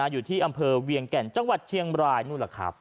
อยู่ที่อำเภอเวียงแก่นจังหวัดเชียงบรายนู่นแหละครับ